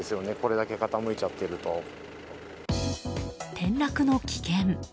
転落の危険。